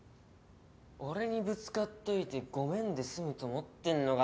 俺にぶつかっといてごめんで済むと思ってんのか？